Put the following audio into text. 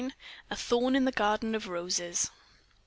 A THORN IN THE GARDEN OF ROSES.